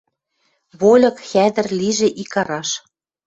Вольык, хӓдӹр лижӹ икараш.